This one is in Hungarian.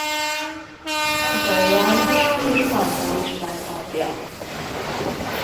Antal János és Antal István apja.